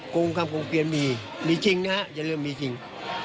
โกงคำคงเปลี่ยนมีมีจริงนะฮะอย่าลืมมีจริง